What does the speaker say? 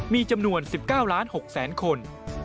มีจำนวน๑๙ล้าน๖แสนคน